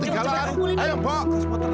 tidak ada ketinggalan